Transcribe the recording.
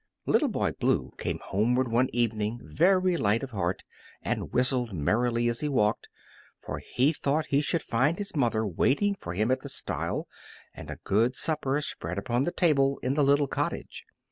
Little Boy Blue came homeward one evening very light of heart and whistled merrily as he walked, for he thought he should find his mother awaiting him at the stile and a good supper spread upon the table in the little cottage.